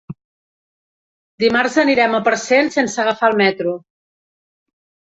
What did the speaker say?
Dimarts anirem a Parcent sense agafar el metro.